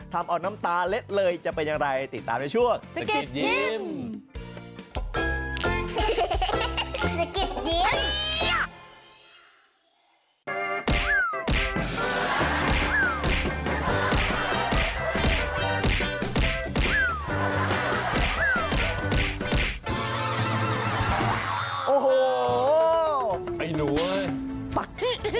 ทำเอาน้ำตาเล็ดเลยจะเป็นอย่างไรติดตามในช่วง